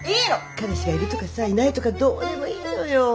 彼氏がいるとかさいないとかどうでもいいのよ！